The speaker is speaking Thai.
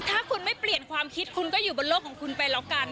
ถ้าคุณไม่เปลี่ยนความคิดคุณก็อยู่บนโลกของคุณไปแล้วกัน